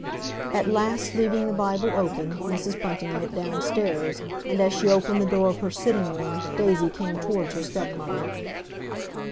At last leaving the Bible open, Mrs. Bunting went downstairs, and as she opened the door of her sitting room Daisy came towards her stepmother.